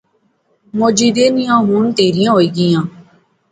مجیدے نیاں ہن تیریاں ہوئی گیئیاں